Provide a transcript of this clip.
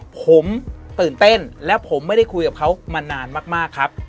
ผมตื่นเต้นและผมไม่ได้คุยกับเขามานานมากครับ